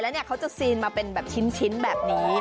และเขาจะซีนมาเป็นแบบชิ้นแบบนี้